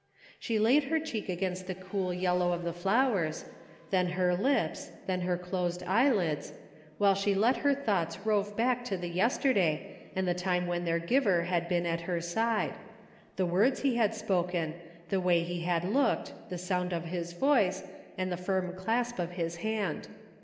She laid her cheek against the cool ydlow of the flowers, then her lips, then her closed eyelids, while she let her thoughts rove back to the yesterday and the time when their giver had been at her side ; the words he had spoken, the way he had looked, the sound of his voice, and the firm dasp of his hand.